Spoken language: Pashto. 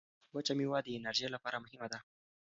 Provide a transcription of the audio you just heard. وچه مېوه د انرژۍ لپاره مهمه ده.